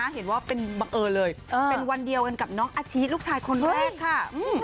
มันก็เป็นวันเดียวกับน้องอาชีพลูกชายคนแรกค่ะ